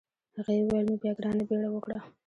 هغې وویل نو بیا ګرانه بیړه وکړه.